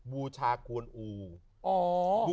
บูชาควรอู